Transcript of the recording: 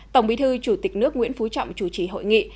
tổng bí thư chủ tịch nước nguyễn phú trọng chủ trì hội nghị